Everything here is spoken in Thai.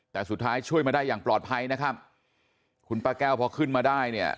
แต่สุดท้ายช่วยมาได้อย่างปลอดภัยนะครับคุณป้าแก้วพอขึ้นมาได้เนี่ย